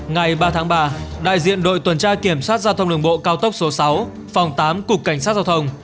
ngày ba tháng ba đại diện đội tuần tra kiểm soát giao thông đường bộ cao tốc số sáu phòng tám cục cảnh sát giao thông